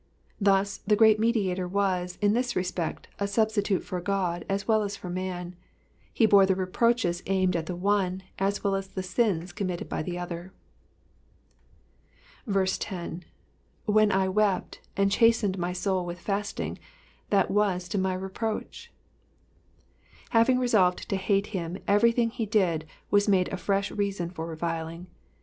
Thus, the Great Mediator was, in this respect, a substitute for God as well as for man, he bore the reproaches aimed at the one, as well as the sins committed by the other. 10. When Iwept^ and cliastentd my soul with fasting, that was to my reproach,^'' Having resolved to hate him, everything he did was made a fresh reason for reviling.